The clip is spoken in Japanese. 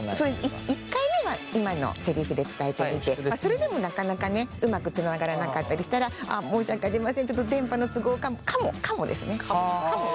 １回目は今のセリフで伝えてみてそれでもなかなかねうまくつながらなかったりしたら申し訳ありませんちょっと「かも」ですね。